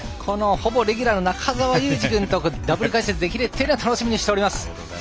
ほぼレギュラーの中澤佑二さんとダブル解説できるというのを楽しみにしています。